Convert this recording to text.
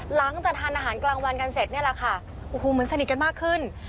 หลังจากทานอาหารกลางวันกันเสร็จเนี่ยแหละค่ะโอ้โหเหมือนสนิทกันมากขึ้น